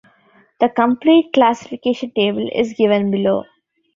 The complete classification table is given below.